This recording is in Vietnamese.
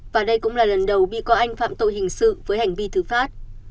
và đây cũng là lần đầu bị cảo anh phạm tội hình sự với hành vi thử phát